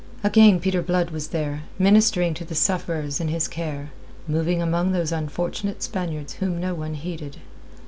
Again Peter Blood was there, ministering to the sufferers in his care, moving among those unfortunate Spaniards whom no one heeded.